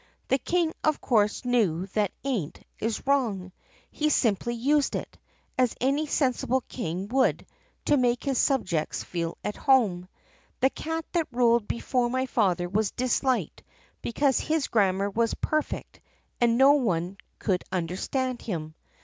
The King of course knew that 'ain't' is wrong. He simply used it, as any sensible king would, to make his subjects feel at home. The cat that ruled before my father was disliked because his grammar was perfect and no one could understand him.